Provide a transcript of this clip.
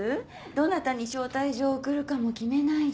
どなたに招待状送るかも決めないと。